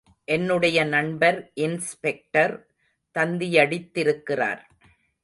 என்னுடைய நண்பர் இன்ஸ்பெக்டர் தந்தியடித்திருக்கிறார்.